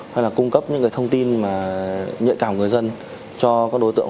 hay là cung cấp những thông tin nhạy cảm người dân cho các đối tượng